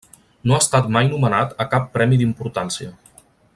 No ha estat mai nomenat a cap premi d'importància.